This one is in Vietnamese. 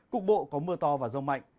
cục bộ có mưa to và rông mạnh